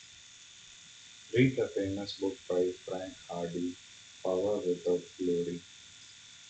Read the famous book by Frank Hardy: "Power without Glory".